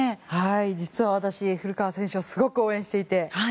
実は私、古川選手をすごく応援していて。